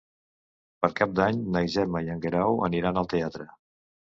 Per Cap d'Any na Gemma i en Guerau aniran al teatre.